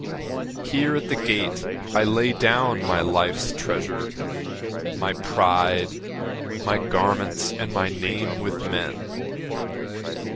Here at the gate I lay down my life's treasure, My pride, my garments and my name with men.